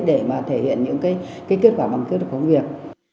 để thể hiện những kết quả bằng kết quả công việc